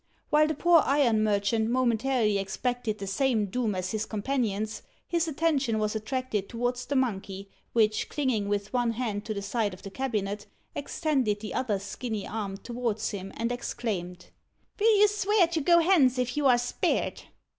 While the poor iron merchant momentarily expected the same doom as his companions, his attention was attracted towards the monkey, which, clinging with one hand to the side of the cabinet, extended the other skinny arm towards him, and exclaimed "Will you swear to go hence if you are spared?"